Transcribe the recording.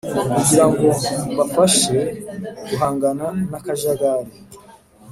kugira ngo mbafashe guhangana n akajagari